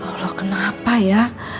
lalu kenapa ya